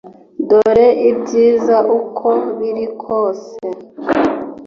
Dore ibyiza uko biri kose